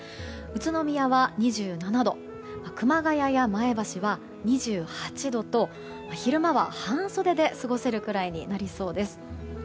宇都宮は２７度熊谷や前橋は２８度と昼間は半袖で過ごせるくらいになりそうです。